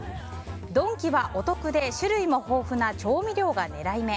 ドンキはお得で種類も豊富な調味料がねらい目！